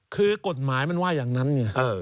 คือกฎหมายมันว่าอย่างนั้นไง